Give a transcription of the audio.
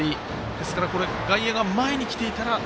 ですから外野が前に来ていたら。